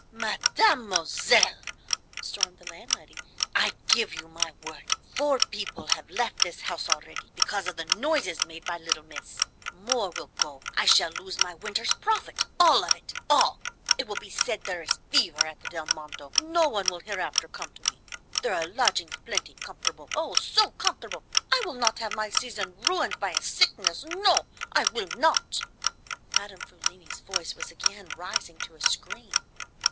"Mademoiselle," stormed the landlady, "I give you my word, four people have left this house already because of the noises made by little miss. More will go. I shall lose my winter's profit, all of it, all; it will be said there is fever at the Del Mondo, no one will hereafter come to me. There are lodgings plenty, comfortable, oh, so comfortable! I will not have my season ruined by a sickness; no, I will not!" Madame Frulini's voice was again rising to a scream.